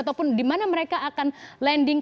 ataupun di mana mereka akan landing